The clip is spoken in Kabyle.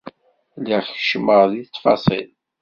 Lliɣ keččmeɣ deg ttfaṣil.